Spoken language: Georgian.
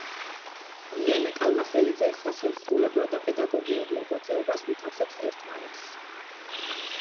ლიანა კალმახელიძე საშემსრულებლო და პედაგოგიურ მოღვაწეობას უთავსებს ერთმანეთს.